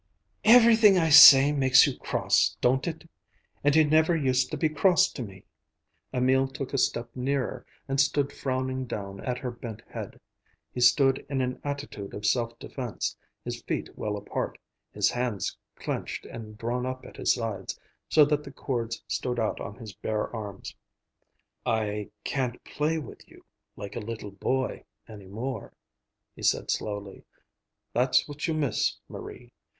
"Everything I say makes you cross, don't it? And you never used to be cross to me." Emil took a step nearer and stood frowning down at her bent head. He stood in an attitude of self defense, his feet well apart, his hands clenched and drawn up at his sides, so that the cords stood out on his bare arms. "I can't play with you like a little boy any more," he said slowly. "That's what you miss, Marie.